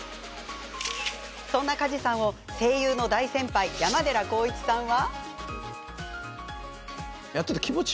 そんな梶さんを声優の大先輩山寺宏一さんは。